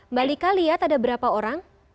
mbak lika lihat ada berapa orang